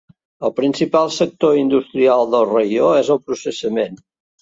El principal sector industrial del raió és el processament.